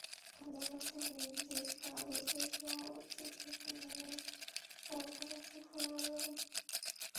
আদালতের নির্দেশ কাগজেই সীমাবদ্ধ থেকে গেলে তার কোনো সুফল মিলবে না।